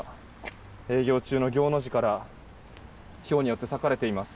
営業中の業の字からひょうによって割かれています。